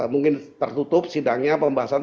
mungkin tertutup sidangnya pembahasan